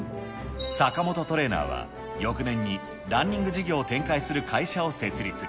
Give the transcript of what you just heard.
坂本トレーナーは、翌年にランニング事業を展開する会社を設立。